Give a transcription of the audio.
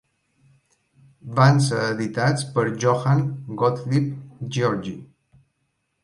Van ser editats per Johann Gottlieb Georgi.